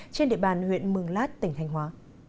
trên địa bàn huyện mường lát tỉnh hành hóa